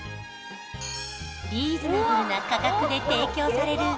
リーズナブルな価格で提供される